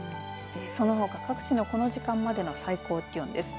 そのほか各地のこの時間までの最高気温です。